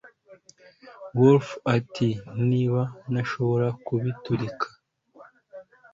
wolf ati 'niba ntashobora kubiturika